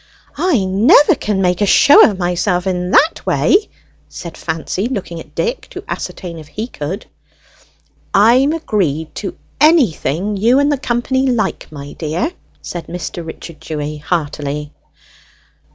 "I never can make a show of myself in that way!" said Fancy, looking at Dick to ascertain if he could. "I'm agreed to anything you and the company like, my dear!" said Mr. Richard Dewy heartily.